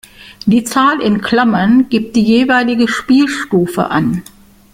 Die Zahl in Klammern gibt die jeweilige Spielstufe an.